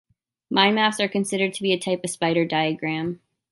Mind maps are considered to be a type of spider diagram.